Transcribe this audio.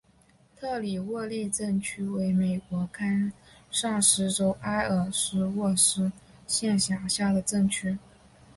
特里沃利镇区为美国堪萨斯州埃尔斯沃思县辖下的镇区。